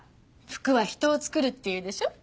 服は人をつくるって言うでしょ。